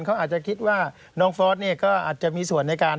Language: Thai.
เขาอาจจะคิดว่าน้องฟอสเนี่ยก็อาจจะมีส่วนในการ